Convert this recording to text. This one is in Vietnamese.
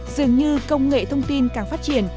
dường như công nghệ thông tin càng phát triển